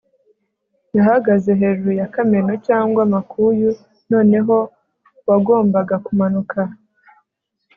yahagaze hejuru ya kameno cyangwa makuyu. noneho wagombaga kumanuka